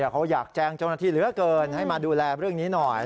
เขาอยากแจ้งเจ้าหน้าที่เหลือเกินให้มาดูแลเรื่องนี้หน่อย